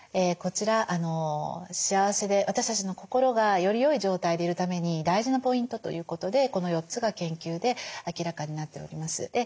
こちら幸せで私たちの心がより良い状態でいるために大事なポイントということでこの４つが研究で明らかになっております。